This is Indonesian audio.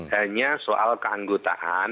hanya soal keanggotaan